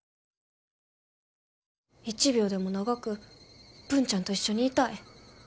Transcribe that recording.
一秒でも長く文ちゃんと一緒にいたい。